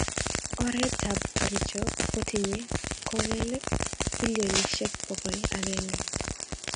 oret ab kericho kotinye kokelik bilionishek pokol agenge